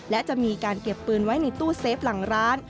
และจะมีการเก็บปืนไว้ในตู้เซฟหลังร้าน